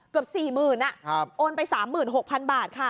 เกือบ๔๐๐๐โอนไป๓๖๐๐๐บาทค่ะ